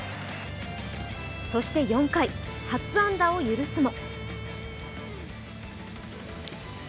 そして４回、初安打を許すも。